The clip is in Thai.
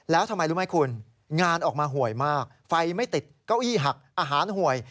แล้วทำไมรู้ไหมคุณงานออกมาหวยมากไฟไม่ติดเก้าอี้หักอาหารหวย